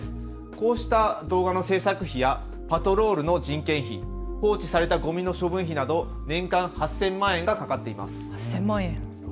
こうした動画の制作費やパトロールの人件費、放置されたごみの処分費など年間８０００万円がかかっています。